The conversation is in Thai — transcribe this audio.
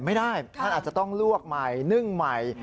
ไม่ได้ท่านอาจจะต้องลวกใหม่นึ่งใหม่